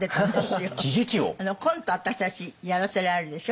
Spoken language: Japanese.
コントを私たちやらせられるでしょ？